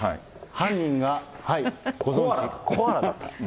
犯人が、ご存じコアラだった。